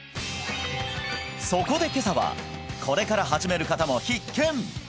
そこで今朝はこれから始める方も必見！